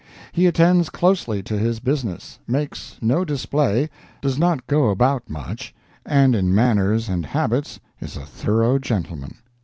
He attends closely to his business, makes no display, does not go about much, and in manners and habits is a thorough gentleman.